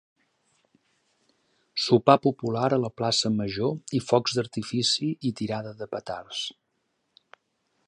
Sopar popular a la plaça Major i focs d'artifici i tirada de petards.